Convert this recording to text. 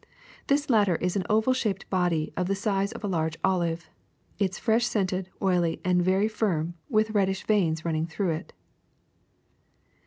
This latter is an oval shaped body of the size of a large olive, its flesh scented, oily, and very firm, with reddish veins running through it.